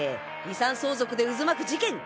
遺産相続で渦巻く事件